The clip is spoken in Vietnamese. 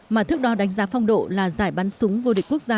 mà thước đo đánh giá phong độ là giải bắn súng vô địch quốc gia